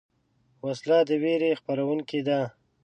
وسله د ویرې خپرونکې ده